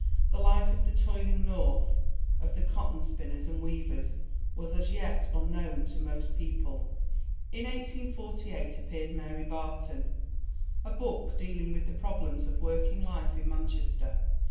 The life of the toiling North, of the cotton spinners and weavers was as yet unknown to most people. In 1848 appeared Mary Barton, a book dealing with the problems of working life in Manchester.